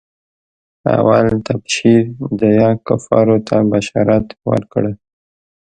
اول تبشير ديه کفارو ته بشارت ورکړه.